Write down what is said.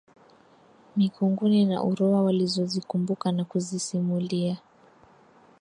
Mikunguni na Uroa walizozikumbuka na kuzisimulia.